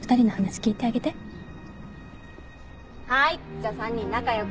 じゃあ３人仲良く。